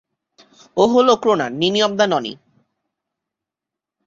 ও হলো ক্রোনান, নিনি of the Noni.